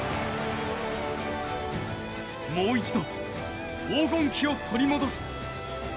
もう一度、黄金期を取り戻す。